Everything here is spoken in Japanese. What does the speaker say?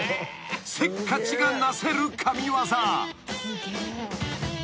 ［せっかちがなせる神業］